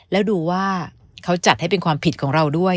แล้วดูว่าเขาจัดให้เป็นความผิดของเราด้วย